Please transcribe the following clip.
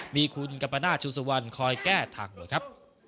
มีคุณกับประณาชุสวรรค์คอยแก้ทางหมวยครับ